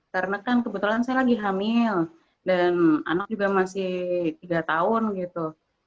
karena kan kebetulan saya lagi hamil dan anak juga masih tiga tahun gitu